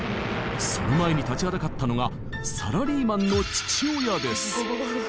その前に立ちはだかったのがサラリーマンの父親です。